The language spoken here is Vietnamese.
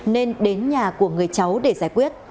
nên đến nhà của người cháu để giải quyết